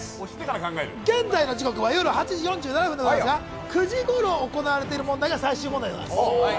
現在の時刻は午後８時４７分でございますが、９時ごろ行われている問題が最終問題でございます。